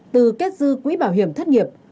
từ kết dư quỹ bảo hiểm thất nghiệp